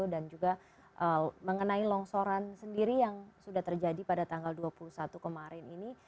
dan juga mengenai longsoran sendiri yang sudah terjadi pada tanggal dua puluh satu kemarin ini